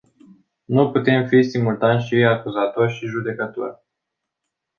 Nu putem fi simultan și acuzator și judecător.